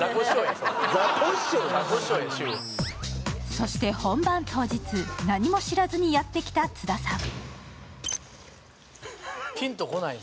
そして、本番当日何も知らずにやってきた津田さん。